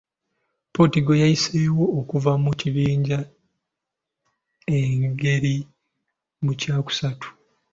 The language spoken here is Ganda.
Portigal yayiseewo okuva mu kibinja ng’eri mu kyakusatu.